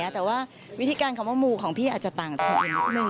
แต่ว่าวิธีการคำว่ามูของพี่อาจจะต่างจากคนอื่นนิดนึง